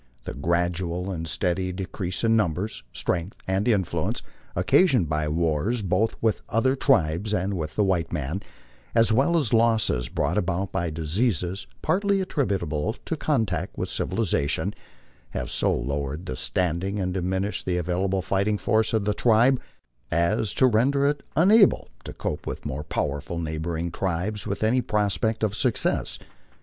The gradual and steady de crease in numbers, strength, and influence, occasioned by wars both with other tribes and with the white man, as well as losses brought about by diseases partly attributable to contact with civilization, have so lowered the standing and diminished the available fighting force of the tribe as to render it unable to cope with more powerful neighboring tribes with any prospect of success.